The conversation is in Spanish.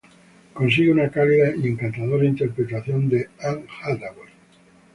Consigue una cálida y encantadora interpretación de Anne Hathaway".